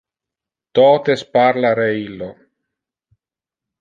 Totes parla re illo.